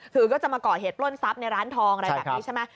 คือก็จะมาก่อเหตุปล้นทรัพย์ในร้านทองอะไรแบบนี้ใช่ไหม